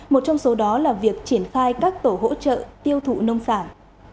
một trong số đó là việc triển khai các tổ hỗ trợ tiêu thụ nông sản